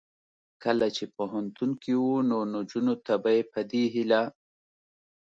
کله چې پوهنتون کې و نو نجونو ته به یې په دې هیله